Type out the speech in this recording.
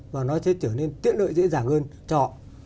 và nó sẽ trở nên tiện lợi dễ dàng hơn cho họ